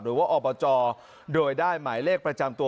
อบจโดยได้หมายเลขประจำตัว